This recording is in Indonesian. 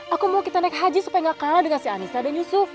aku mau kita naik haji supaya gak kalah dengan si anissa dan yusuf